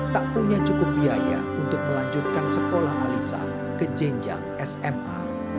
tak punya cukup biaya untuk melanjutkan sekolah alisa ke jenjang sma